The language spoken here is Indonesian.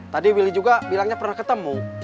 tadi willy juga bilangnya pernah ketemu